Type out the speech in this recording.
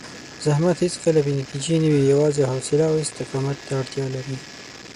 زحمت هېڅکله بې نتیجې نه وي، یوازې حوصله او استقامت ته اړتیا لري.